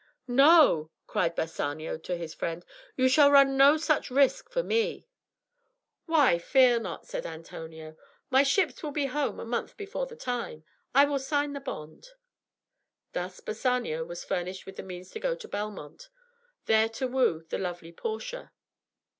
"No," cried Bassanio to his friend, "you shall run no such risk for me." "Why, fear not," said Antonio, "my ships will be home a month before the time, I will sign the bond." Thus Bassanio was furnished with the means to go to Belmont, there to woo the lovely Portia.